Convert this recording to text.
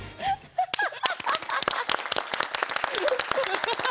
ハハハハ！